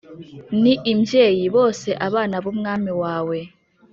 ni imbyeyi bose abana b’umwami wawe